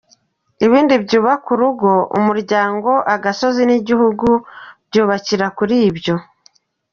Ibindi byubaka urugo, umuryango, agasozi n’igihugu byubakira kuribyo.